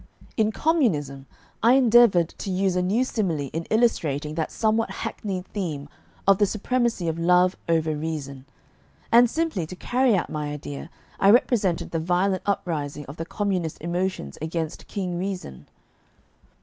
In "Communism" I endeavored to use a new simile in illustrating that somewhat hackneyed theme of the supremacy of Love over Reason; and simply to carry out my idea I represented the violent uprising of the Communist emotions against King Reason.